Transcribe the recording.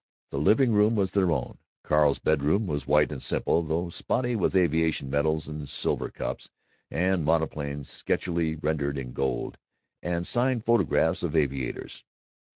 Their living room was their own. Carl's bedroom was white and simple, though spotty with aviation medals and silver cups and monoplanes sketchily rendered in gold, and signed photographs of aviators.